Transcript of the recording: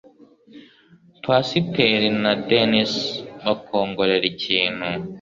pasiteri na dennis bakongorera ikintu